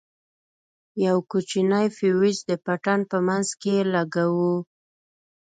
يو کوچنى فيوز د پټن په منځ کښې لگوو.